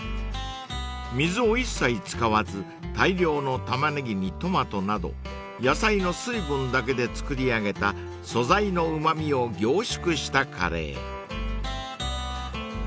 ［水を一切使わず大量のタマネギにトマトなど野菜の水分だけで作り上げた素材のうま味を凝縮したカレー］